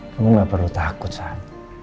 kamu gak perlu takut saat